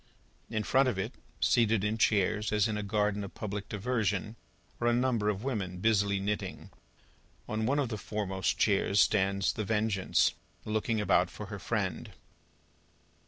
In front of it, seated in chairs, as in a garden of public diversion, are a number of women, busily knitting. On one of the fore most chairs, stands The Vengeance, looking about for her friend.